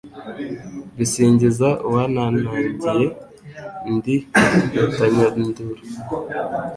Bisingiza uwantanagiye ndi rutanyanduru